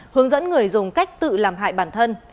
hướng dẫn người dùng cách tự làm hại bản thân